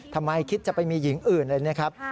ทำไมคิดจะไปมีหญิงอื่นเลยนะครับ